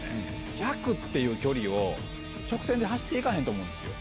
１００っていう距離を直線で走って行かへんと思うんですよ。